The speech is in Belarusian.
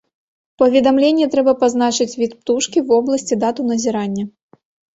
У паведамленні трэба пазначыць від птушкі, вобласць і дату назірання.